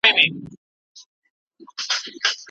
هيڅ سياسي ګوند بايد خلګو ته په ټيټه ونه ګوري.